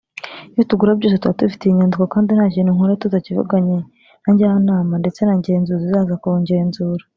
Ibyo tugura byose tuba tubifitiye inyandiko kandi nta kintu nkora tutakivuganye na njyanama ndetse na ngenzuzi ikaza kugenzura